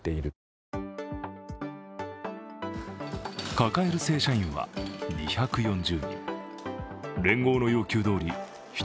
抱える正社員は２４０人。